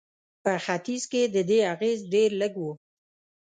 په ختیځ کې د دې اغېز ډېر لږ و.